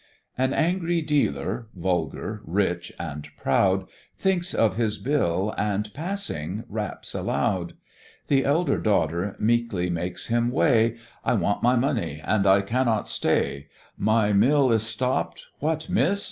An angry Dealer, vulgar, rich, and proud, Thinks of his bill, and, passing, raps aloud; The elder daughter meekly makes him way "I want my money, and I cannot stay: My mill is stopp'd; what, Miss!